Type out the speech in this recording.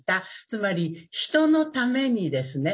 つまり人のためにですね